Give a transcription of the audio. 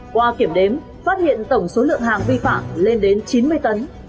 qua kiểm đếm phát hiện tổng số lượng hàng vi phạm lên đến chín mươi tấn